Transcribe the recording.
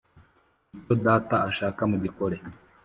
Icyo Data ashaka mugikore.